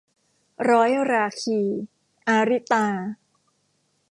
ร้อยราคี - อาริตา